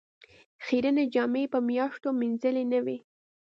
خیرنې جامې یې په میاشتو مینځلې نه وې.